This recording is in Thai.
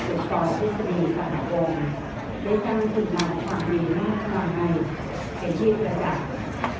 สุดส่วนที่สรีสนาปน้องได้กล้ามคืนนานความดีมากกว่าไหมเสมที่เกรอจักร